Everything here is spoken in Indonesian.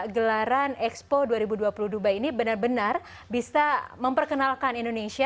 gelaran expo dua ribu dua puluh dubai ini benar benar bisa memperkenalkan indonesia